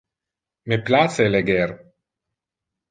Me place leger.